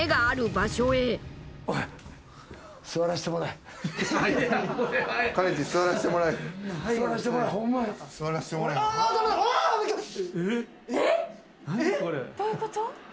えっ⁉どういうこと？